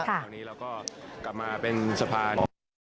คราวนี้เราก็กลับมาเป็นสะพาน